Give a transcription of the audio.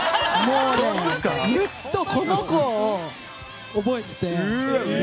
ずっと、この子を覚えてて。